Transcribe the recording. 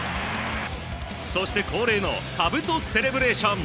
そして、恒例のかぶとセレブレーション。